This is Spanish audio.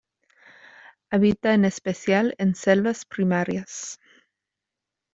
Habita en especial en selvas primarias.